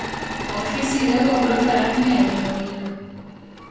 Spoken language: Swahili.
Ofisi iliyoko ghorofa ya nne ya jengo hilo